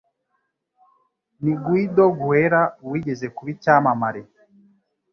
ni Guido Guerra wigeze kuba icyamamare